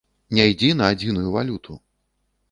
Не ідзі на адзіную валюту!